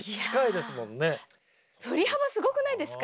振り幅すごくないですか？